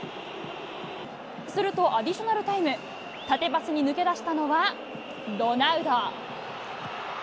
するとアディショナルタイム、縦パスに抜け出したのは、ロナウド。